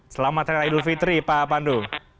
selamat hari raya idul fitri pak pandu